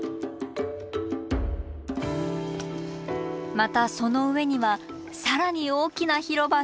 またその上には更に大きな広場が。